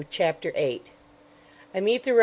CHAPTER 8 I MEET THE REV.